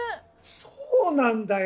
そうなんだよ！